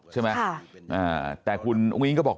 ใช่ไหมค่ะแต่คุณองค์อิงก็บอก